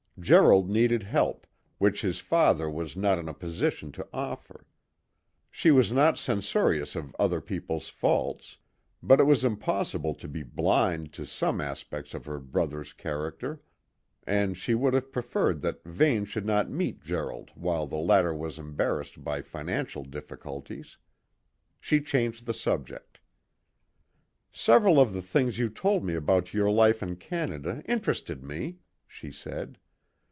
Gerald needed help, which his father was not in a position to offer. She was not censorious of other people's faults; but it was impossible to be blind to some aspects of her brother's character, and she would have preferred that Vane should not meet Gerald while the latter was embarrassed by financial difficulties. She changed the subject. "Several of the things you told me about your life in Canada interested me," she said.